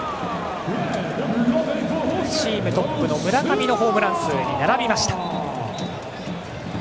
チームトップの村上のホームラン数に並びました。